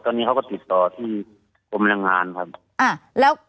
ตอนนี้เขาก็ติดต่อที่กรมแรงงานครับ